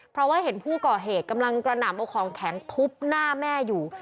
เพราะว่าเห็นผู้ก่อเหตุกำลังกระหน่ำเอาของแข็งทุบหน้าแม่อยู่